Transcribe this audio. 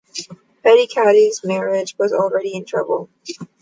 Peter Caddy's marriage was already in trouble.